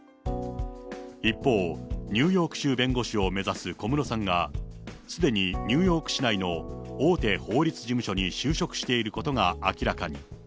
一方、ニューヨーク州弁護士を目指す小室さんがすでにニューヨーク市内の大手法律事務所に就職していることが明らかに。